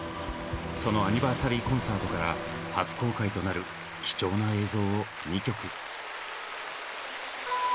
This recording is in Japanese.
そのアニバーサリーコンサートから初公開となる貴重な映像を２曲。